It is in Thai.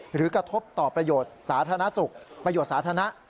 หรือกระทบต่อประโยชน์ศาษนาสุขประโยชน์ศาษณะ